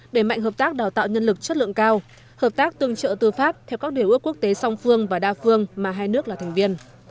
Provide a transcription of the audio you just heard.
để mạnh hợp tác đào tạo nhân lực chất lượng cao hợp tác tương trợ tư pháp theo các điều ước quốc tế song phương và đa phương mà hai nước là thành viên